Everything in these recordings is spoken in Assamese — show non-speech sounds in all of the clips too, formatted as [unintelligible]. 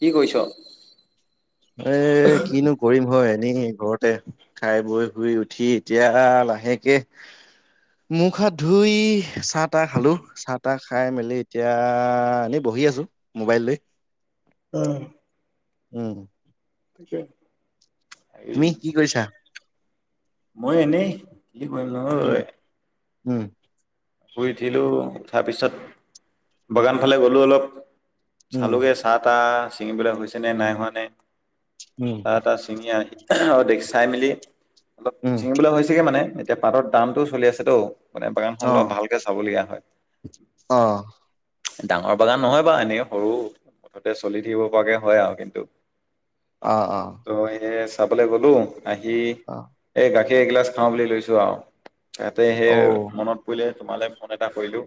কি কৰিছ? এই কিনো কৰিম হয়, এনেই ঘৰতে খাই খায় বৈ শুই উঠি এতিয়া লাহেকে মুখ হাত ধুই চাহ তাহ খালোঁ। চাহ তাহ খাই মেলি এতিয়া এনেই বহি আছো, মোবাইল লৈ। উম। উম। [unintelligible] হেৰি তুমি কি কৰিছা? মই এনেই, কি কৰিম নো আৰু উম ঐ। উম। শুই উঠিলোঁ, উঠাৰ পিছত বাগান ফালে গ'লোঁ অলপ উম চালোঁগে চাহ-তাহ ছিঙিবলে হৈছেনে নাই হোৱা নে, উম চাহ-তাহ চিঙি আহি আৰু দেখি চাই মেলি অলপ উম চিঙিবলৈ হৈছেগে মানে এতিয়া পাতৰ দামটোও চলি আছেতো, মানে বাগানখন অ অলপ ভালকে চাবলগীয়া হয়। অ'। ডাঙৰ বাগান নহয় বাৰু এনেই সৰু। মুঠতে চলি থাকিব পৰাকে হয় আৰু কিন্তু। অ'-অ'। ত' এনেই চাবলৈ গ'লো, আহি অ'। এই গাখীৰ এগিলাচ খাওঁ বুলি লৈছোঁ আৰু ইয়াতে অ সেই মনত পৰিলে তোমালে ফোন এটা কৰিলো।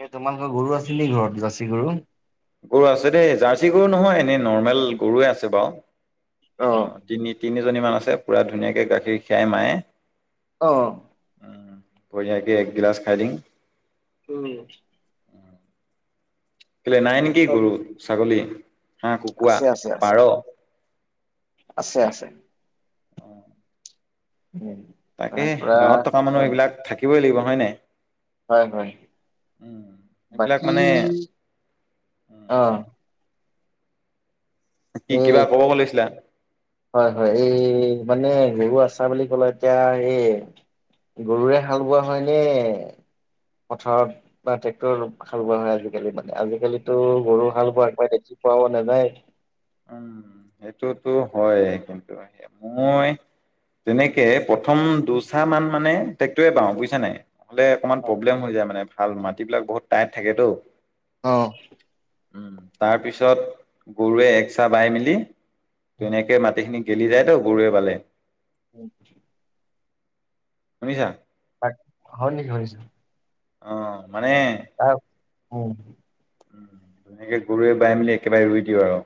এ তোমালোকৰ গৰু আছিল নেকি ঘৰত, জাৰ্চি গৰু? গৰু আছে দেই জাৰ্চি গৰু নহয় এনেই নৰ্মেল গৰুৱে আছে বাৰু। অ'। তিনি-তিনিজনী মান আছে পুৰা ধুনীয়াকে গাখীৰ খীৰাই মায়ে। অ'। উম, বঢ়ীয়াকে এক গিলাছ খাই দিম। উম। সেইফালে নাই নেকি অ', গৰু, ছাগলী, হাঁহ, কুকুৰা, আছে পাৰ? আছে-আছে। উম। উম তাকে তাৰ পৰা গাঁৱত থকা মানুহ এইবিলাক থাকিবই লাগিব হয় নাই? হয়-হয় উম এইবিলাক বাকি, মানে অ কি কিবা ক'ব লৈছিলা? হয়-হয় এই মানে গৰু আছা বুলি কলে এতিয়া এই গৰুৰে হাল বোৱা হয় নে পথাৰত? বা ট্ৰেক্টৰ হাল বোৱা হয় আজিকালি মানে আজিকালিতো গৰু হাল বোৱা একেবাৰে দেখি পোৱাও নাযায়। উম, সেইটোতো হয় কিন্তু মানে মই তেনেকে প্ৰথম দুইচাহ মান মানে ট্ৰেক্টৰে বাও বুইছা নাই? নহলে অকণমান প্ৰব্লেম হৈ যায় মানে ভাল মাটিবিলাক বহুত টাইট থাকেতো। অ উম তাৰপিছত গৰুৱে একচাহ বাই মেলি তেনেকে মাটিখিনি গেলি যায়তো গৰুৰে বালে উ শুনিছা? তাক হয় নেকি, শুনিছো অ, মানে আহ উম উম তেনেকে গৰুৱে বাই মেলি একেবাৰে ৰুই দিওঁ আৰু।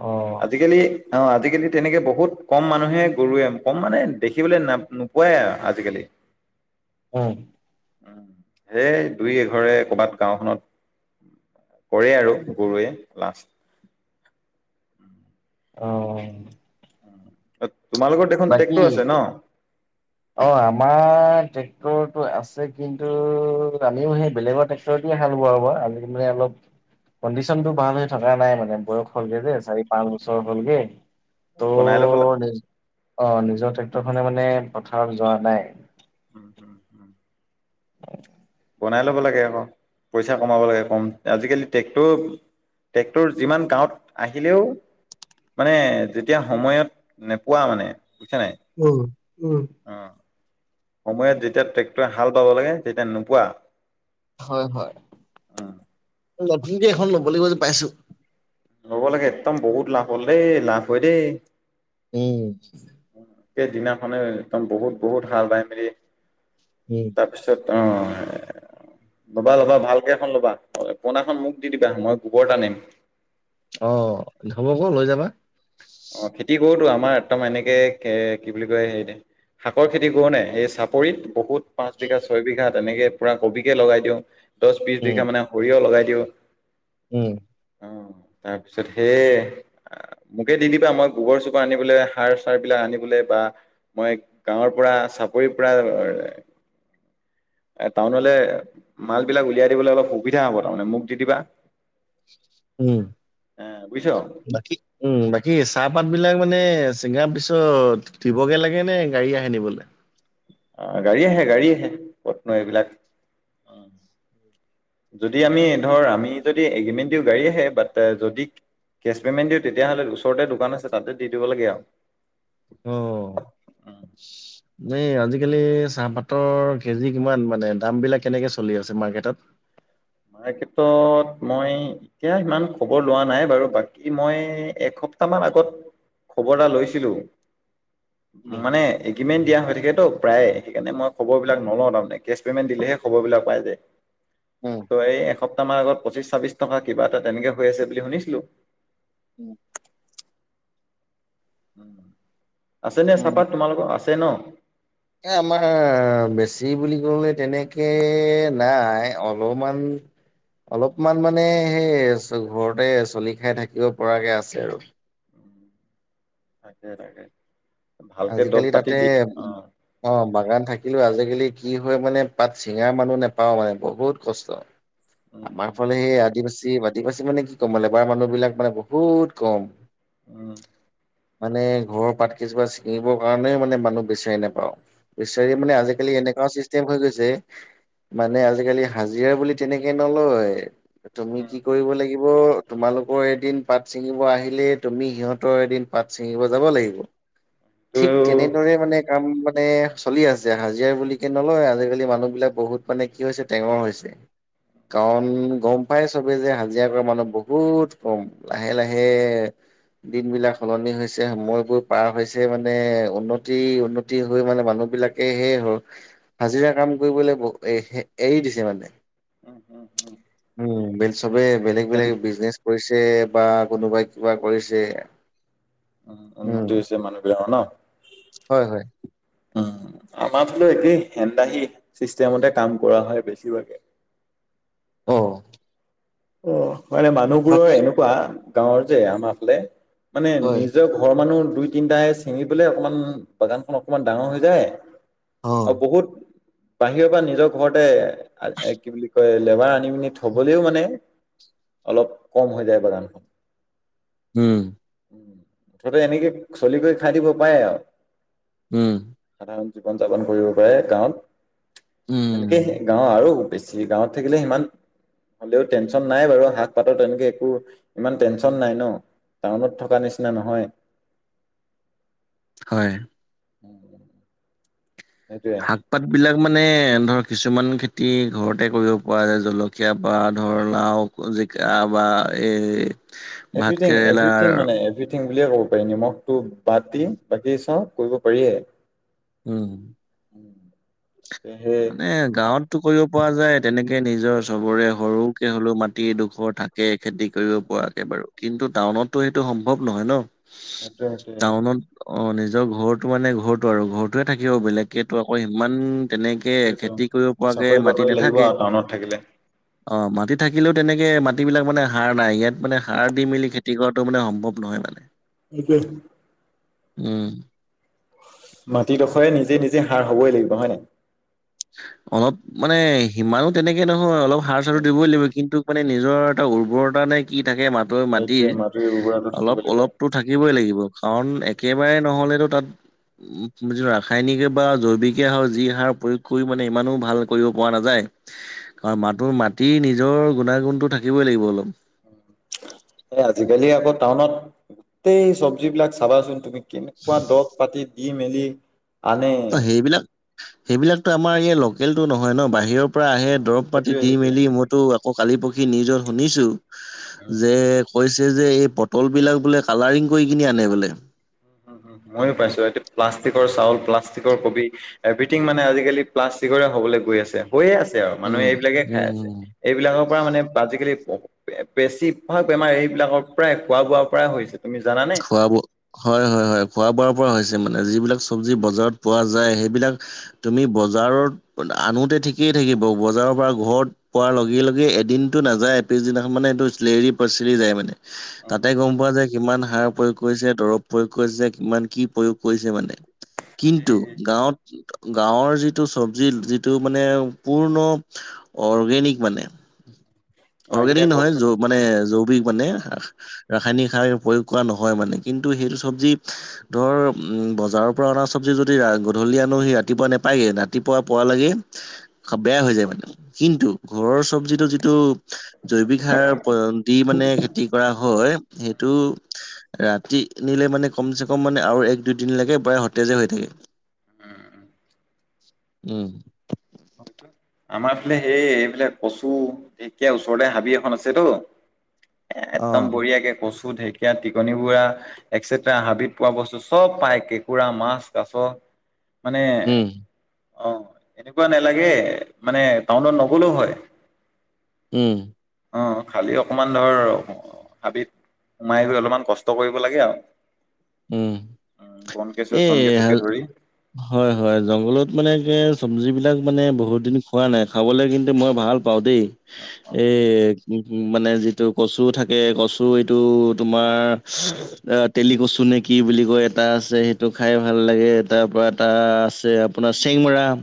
অ আজি কালি অ আজি কালি তেনেকে বহুত কম মানুহে গৰুৱে কম মানে দেখিবলৈ ন নোপোৱাই আৰু আজি কালি। অ উম, সেই দুই এঘৰে কবাত গাওঁখনত কৰে আৰু গৰুৱে লাষ্ট। অ তোমালোকৰ দেখোন বাকী ট্ৰেক্টৰ আছে [unintelligible] অ আমাৰ ট্ৰেক্টৰটো আছে কিন্তু আমিও সেই বেলেগৰ ট্ৰেক্ট ৰ দিয়ে হাল বোৱাও বা আমি মানে অলপ কণ্ডিশ্যনটো ভাল হৈ থকা নাই মানে বয়স হ'লগে যে চাৰি পাঁচ বছৰ হ'লগে। ত' বনাই লবলে নিজ অ নিজৰ ট্ৰেক্টৰ খনে মানে পথাৰত যোৱা নাই। উম উ বনাই ল'ব লাগে আক পইচা কমাব লাগে কম আজিকালি ট্ৰেক্টৰো ট্ৰেক্টৰ যিমান গাঁৱত আহিলেও মানে যেতিয়া সময়ত নেপোৱা মানে বুইছা নাই? উম, উম অ সময়ত যেতিয়া ট্ৰেক্টৰে হাল বাব লাগে তেতিয়া নোপোৱা। হয়-হয় উম, নতুনকে এখন ল'ব লাগিব যেন পাইছো। ল'ব লাগে একদম বহুত লাভ হ'ল দেই লাভ হয় দেই। উম সেইদিনাখনে একদম বহুত বহুত হাল বাই মেলি উম তাৰপিছত অ ল'বা ল'বা ভালকে এখন ল'বা। পুৰণাখন মোক দি দিবা মই গোবৰ তানিম। অঁ' হ'ব আক লৈ যাবা। অঁ' খেতি কৰোঁতো, আমাৰ একদম এনেকৈ কি বুলি কয় হেৰি- শাকৰ খেতি কৰোনাই এই চাপৰিত বহুত- পাঁচ উম বিঘা ছয় বিঘা তেনেকে পুৰা কবিকে লগাই দিওঁ, দহ বিশ বিঘা মানে সৰিয়হ লগাই দিওঁ। উমঁ। অঁহ' তাৰপিছত সেইয়ে। মোকে দিলি বা মই গোবৰ-চোবৰ আনিবলৈ, সাৰ চাৰ বিলাক আনিবলৈ বা- মই গাঁৱৰ পৰা চাপৰিৰ পৰা- এ টাউনলে মাল বিলাক উলিয়াই দিবলৈ অলপ সুবিধা হ'ব তাৰমানে মোক দি দিবা। [unintelligible] উমঁ' বুজিছ বাকি উমঁ' চাহপাত বিলাক মানে চিঙাৰ পিছত দিবগে লাগে নে গাড়ী আহে নিবলৈ? অঁ' গাড়ী আহে গাড়ী আহে, ক'তনো এইবিলাক। অঁ। যদি আমি ধৰ আমি যদি এগ্ৰিমেন্ট দিওঁ গাড়ী আহে বাট যদি- কেছ পে'মেণ্ট দিওঁ তেতিয়া হ'লে ওচৰতে দোকান আছে তাতে দি দিব লাগে আৰু। অঁ। [unintelligible] এই আজিকালি চাহপাতৰ কেজি কিমান মানে দাম বিলাক কেনেকে চলি আছে মাৰ্কেটত? মাৰ্কেটত মই- এতিয়া ইমান খবৰ লোৱা নাই বাৰু, বাকী মই এসপ্তাহ মান আগত- খবৰ এটা লৈছিলোঁ। উম, মানে- কিমেণ্ দিয়া হৈ থাকে তো প্ৰায় সেইকাৰণে মই খবৰ বিলাক নলওঁ তাৰমানে, কেছ পেমেণ্ট দিলেহে খবৰ বিলাক পাই যায়। উম, ত' এই এসপ্তাহমান আগত পঁচিশ ছাব্বিশ টকা কিবা এটা তেনেকে হৈ আছে বুলি শুনিছিলোঁ। আছে নে উম, চাহপাত তোমালোকৰ আছে ন'? এ আমাৰ বেছি বুলি ক'লে তেনেকে- নাই, অলপমান- অলপমান মানে সেই ঘৰতে চলি খাই থাকিব পৰাকে আছে আৰু। তাকে তাকে, ভালকে দৰব পাতি দি, অঁ'। অঁ' বাগান থাকিলো আজিকালি কি হয় মানে পাত চিঙা মানুহ নেপাওঁ মানে বহুত কষ্ট। আমাৰ উম ফালে সেই আদিবাসী আদিবাসী মানে কি ক'ম মানে লেবাৰ মানুহ বিলাক মানে বহুত কম। উমঁ। মানে ঘৰৰ পাতকেইজোপা ছিঙিবৰ কাৰণে মানে মানুহ বিচাৰি নেপাওঁ। বিচাৰ মানে আজিকালি এনেকুৱা চিষ্টেম- হৈ গৈছে মানে আজিকালি হাজিৰা বুলি তেনেকে নলয়। তুমি কি কৰিব লাগিব- তোমালোকৰ এদিন পাত ছিঙিব আহিলে তুমি সিহঁতৰ এদিন পাত ছিঙিব যাব লাগিব। ত ঠিক তেনেদৰে মানে- কাম মানে চলি আছে, হাজিৰা বুলিকে নলয়। আজিকালি মানুহ বিলাক বহুত মানে কি হৈছে টেঙৰ হৈছে। কাৰণ গম পাই চবে যে হাজিৰা কৰা মানুহ বহুত কম। লাহে লাহে দিন বিলাক সলনি হৈছে, সময়বোৰ পাৰ হৈছে। মানে উন্নতি উন্নতি হৈ মানে মানুহ বিলাকে সেই হ'ল- হাজিৰা কাম কৰিবলৈ এৰি দিছে মানে। উম বেল চবে বেলেগ বেলেগ বিজনেছ কৰিছে বা কোনোবাই কিবা কৰিছে। উম উন্নতি হৈছে মানুহ বিলাকৰ ন। হয় হয়। উম আমাৰ ফালো একেই হেন্দাহি চিষ্টেমতে কাম কৰা হয় বেছিভাগে। অহ অ', মানে মানুহবোৰৰ বাকী এনেকুৱা গাঁৱৰ যে আমাৰ ফালে মানে হয় নিজৰ ঘৰৰ মানুহ দুই তিনটাহে চিঙি পালে অকমান বাগানখন অকমান ডাঙৰ হৈ যায়। অ, আৰু বহুত বাহিৰৰ পৰা নিজৰ ঘৰতে কি বুলি কয় লেবাৰ আনি পিনি থবলেও মানে অলপ কম হৈ যায় বাগানখন। উম। উম, মুঠতে এনেকে চলিগৈ খাই দিব পাৰে আও উম। সাধাৰণ জীৱন যাপন কৰিব পাৰে গাঁৱত উম, তেনেকেই গাঁৱ আৰু বেছি গাঁৱত থাকিলে সিমান হ'লেও টেনচন নাই বাৰু শাক পাতৰ তেনেকে একো ইমান টেনচন নাই ন। টাউনত থকা নিচিনা নহয়। হয়। [unintelligible] সেইটোৱে। শাক। পাতবিলাক মানে ধৰ কিছুমান খেতি ঘৰতে কৰিব পৰা যায় জলকীয়া বা ধৰ লাও জিকা বা এই ভাত এভিৰিথিং কেৰেলাৰ এভিৰিথিং মানে এভিৰি থিং বুলিয়ে ক'ব পাৰি নিমখটো বাতি বাকী চব কৰিব পাৰিয়ে। উম। এ হে মানে গাঁৱতটো কৰিব পৰা যায় তেনেকে নিজৰ চবৰে সৰুকে হ'লেও মাটিডোখৰ থা কে খেতি কৰিব পৰাকে বাৰু কিন্তু টাউনতো সেইটো সম্ভৱ নহয় ন। সেইটোৱে সেইটোৱে টাউনত অ', নিজৰ ঘৰটো মানে ঘৰটো আৰু ঘৰ টোৱে থাকিব বেলেগকেতো আকৌ ইমান তেনেক কে সেইটোৱেতো। খেতি কৰিব পৰাকে চাকৰি মাটি বাকৰি লাগিব নাথাকে। আৰু টাউনত থাকিলে অ মাটি থাকিলেও তেনেকে মাটিব বিলাক মানে সাৰ নাই ইয়াত মানে সাৰ দি মেলি খেতি কৰাটো মানে সম্ভৱ নহয় মানে। সেইটোৱে উম। মাটিডোখৰে নিজে নিজে সাৰ হবই লাগিব হয় নাই? অলপ মানে সিমানো তেনেকে নহয় অলপ সাৰ চাৰো দিবই লাগিব কিন্তু মানে নিজৰ এটা উৰ্বৰতা নে কি থাকে মাটো মাটিৰ এইটোৱে উৰ্বৰতা থাকিব অলপ লাগিব। অলপটো থাকিবই লাগিব কাৰণ একেবাৰে নহ'লেতো তাত যিটো ৰাসায়নিকে বা জৈৱিকে হওঁক যি সাৰ প্ৰয়োগ কৰি মানে ইমানো ভাল কৰিব পৰা নাযায়। কাৰণ মাটোৰ মাটি নিজৰ গুণাগুণটো থাকিবই লাগিব অলপ। এ আজিকালি আকৌ টাউনত গোটেই চবজি বিলাক চাবাচোন তুমি। কেনেকুৱা দৰৱ পাতি দি মেলি আনে ত সেইবিলাক সেইবিলাকতো আমাৰ ইয়াৰ লোকেলটো নহয় ন বাহিৰৰ পৰা অ আহে দৰব পাতি সেইটোৱে দি সেইটোৱে মেলি মইতো আকৌ কালি, পৰহী নিউজত শুনিছো যে- কৈছে যে এই পটল বিলাক বোলে কালাৰিং কৰি কিনি আনে বোলে। মইও পাইছো, এতিয়া প্লাষ্টিকৰ চাউল, প্লাষ্টিকৰ কবি- এভিৰিথিং মানে আজিকালি প্লাষ্টিকৰে হ'বলৈ গৈ আছে, হৈয়ে আছে আৰু মানুহে উম এইবিলাকে খাই আছে। উম এইবিলাকৰ পৰা মানে আজিকালি - বেছিভাগ বেমাৰ এইবিলাকৰ পৰাই খোৱা-বোৱাৰ পৰাই হৈছে তুমি জানানে। খোৱা-বোৱা, হয়-হয়-হয়। খোৱা-বোৱাৰ পৰা হৈছে মানে যিবিলাক চব্জি বজাৰত পোৱা যায় সেইবিলাক- তুমি বজাৰত আনোতে ঠিকেই থাকিব, বজাৰৰ পৰা ঘৰত- পোৱাৰ লগে-লগে এদিনটো নাযায় পিছদিনাখন মানে সেইটো লেৰেলি-পিছিলি যায় মানে। অ তা'তে অ, গ'ম পোৱা যায় কিমান সাৰ প্ৰয়োগ কৰিছে, দৰৱ প্ৰয়োগ কৰিছে, কিমান কি প্ৰয়োগ কৰিছে মানে, কিন্তু গাৱত- গাঁৱৰ যিটো চব্জি যিটো মানে পূৰ্ণ- অৰ্গেনিক মানে। লাগিলে অৰ্গেনিক নহয়, কচু যৌ মানে জৈৱিক মানে অ ৰাসায়নিক সাৰ প্ৰয়োগ কৰা- নহয় মানে, কিন্তু সেইটো চব্জিত- ধৰ' বজাৰৰ পৰা চব্জি যদি গধূলি আনো গে ৰাতিপুৱা নাপায় গৈ, ৰাতিপুৱা পোৱা লগে- বেয়া হৈ যায় মানে, কিন্তু ঘৰৰ চব্জি যিটো- জৈৱিক সাৰ পয়ন্তি মানে খেতি কৰা হয় সেইটো- ৰাতি নিলে মানে ক'ম-চেক'ম মানে আৰু এক দুইদিন লৈকে প্ৰায়াই সতেজে হয় থাকে। উম। উম। আমাৰ ফালে হেৰী এইবিলাক কচু- ঢেকীয়া ওচৰতে হাবি এখন আছেতো, এ' অ একদম বঢ়িয়াকে কচু, - ঢেকীয়া, টিকনি বুৰা- ইত্যাদি। হাবিত পোৱা বস্তু চব পাই কেঁকুৰা, মাছ, কাছ- মানে, উম অঁ', এনেকুৱা নালাগে মানে টাউনত নগ'লেও হয়। উম। অঁ', খালী অকণমান ধৰ' হাবিত- সোমাই গৈ অলপমান কষ্ট কৰিব লাগে আৰু। উমঁ', উম বন কেঁচু এই চন হ কেঁচুকে ধৰি হয়-হয়, জংঘলত মানে কি চব্জিবিলাক মানে বহুত দিন খোৱা নাই খাবলৈ কিন্তু মই ভাল- পাওঁ দেই। অ এই উম' মানে যিটো কচু থাকে, কচু এইটো তোমাৰ- অ', তেলি কচু নে কি বুলি কয় এটা- আছে সেইটো খাই ভাল লাগে, তাৰ পৰা এটা আছে আপোনাৰ চেংমৰা-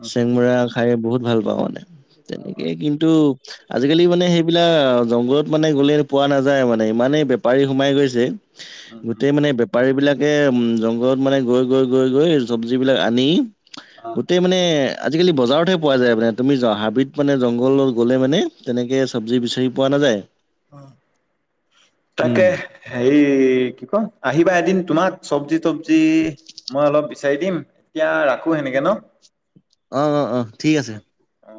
উম চেংমৰা খাই বহুত ভাল পাওঁ মানে, অ তেনেকে কিন্তু- আজিকালি মানে সেইবিলাক জংঘলত মানে গ'লে পোৱা নাযায় মানে ইমানেই বেপাৰী সোমায় গৈছে। উম উম গোটেই মানে বেপাৰী বিলাকে উমঁ, জংঘলত মানে গৈ-গৈ-গৈ-গৈ চব্জি মবিলাক আনি অ গোটে- মানে আজিকালি বজাৰতে পোৱা যায় মানে, তুমি হাবিত মানে জংঘলত গ'লে মানে- তেনেকৈ চব্জি বিচাৰি পোৱা নাযায়। উম। তাকে। হেৰি কি কয়, আহিবা এদিন তোমাক চব্জি-তবজি মই অলপ বিচাৰি দিম, এতিয়া ৰাখো সেনেকে ন'। অঁ', -অঁ', -অঁ', -। অ অ।